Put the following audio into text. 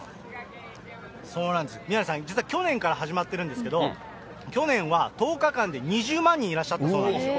そうなんです、宮根さん、実は去年から始まってるんですけれども、去年は１０日間で２０万人いらっしゃったそうなんですよ。